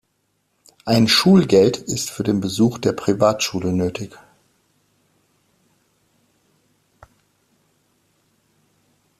Ein Schulgeld ist für den Besuch der Privatschule nötig.